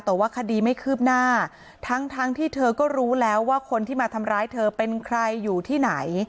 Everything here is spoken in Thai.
แต่ว่าคดีไม่คืบหน้าทั้งทั้งที่เธอก็รู้แล้วว่าคนที่มาทำร้ายเธอเป็นใครอยู่ที่ไหน